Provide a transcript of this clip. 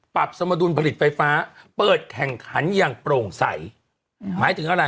สมดุลผลิตไฟฟ้าเปิดแข่งขันอย่างโปร่งใสหมายถึงอะไร